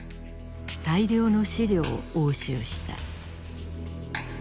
大量の資料を押収した。